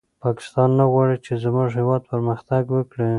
پاکستان نه غواړي چې زموږ هېواد پرمختګ وکړي.